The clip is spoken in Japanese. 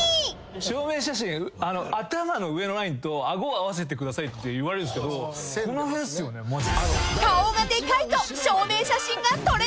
証明写真頭の上のラインと顎を合わせてくださいって言われるんすけどこの辺っすよねマジで。